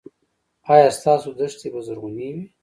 ایا ستاسو دښتې به زرغونې وي؟